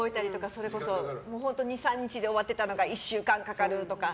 それこそ２３日で終わってたのが１週間かかるとか。